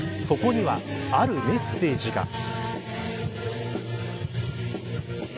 そこにはあるメッセージが。